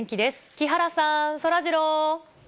木原さん、そらジロー。